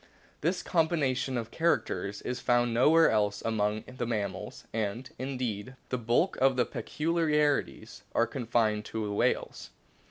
This combination of characters is found nowhere else among the mammals, and, indeed, the bulk of the peculiarities are confined to the whales.